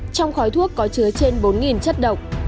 trong khói thuốc có chứa trên bốn chất độc